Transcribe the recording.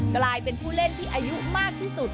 กลายเป็นผู้เล่นที่อายุมากที่สุด